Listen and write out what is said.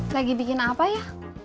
lagi bikin apa ya